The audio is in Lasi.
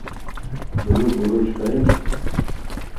بلو بُروش ڪٿي ءَ ؟